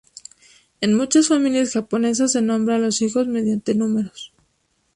En muchas familias japonesas se nombra a los hijos mediante números.